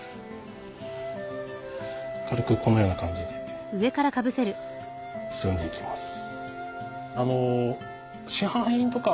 軽くこのような感じで包んでいきます。